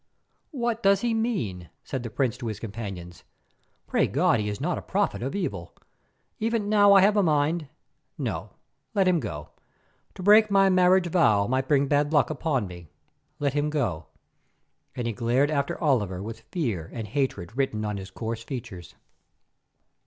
"What does he mean?" said the prince to his companions. "Pray God he is not a prophet of evil. Even now I have a mind—no, let him go. To break my marriage vow might bring bad luck upon me. Let him go!" and he glared after Oliver with fear and hatred written on his coarse features.